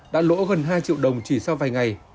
đã lỗ gần hai triệu đồng chỉ sau vài ngày